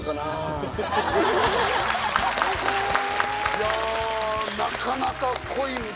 いやなかなか。